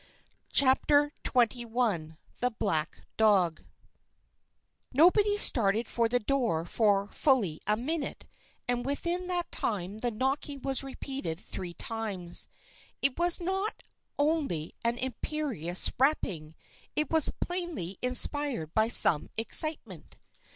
CHAPTER XXI "THE BLACK DOG" Nobody started for the door for fully a minute, and within that time the knocking was repeated three times. It was not only an imperious rapping; it was plainly inspired by some excitement.